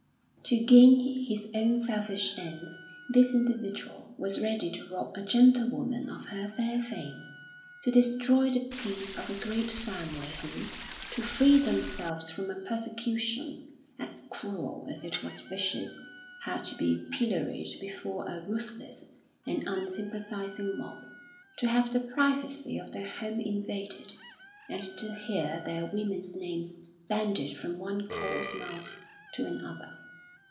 To gain his own selfish ends this individual was ready to rob a gentlewoman of her fair fame, to destroy the peace of a great family who, to free themselves from a persecution, as cruel as it was vicious, had to be pilloried before a ruthless and unsympathising mob, to have the privacy of their home invaded, and to hear their women's names banded from one coarse mouth to another.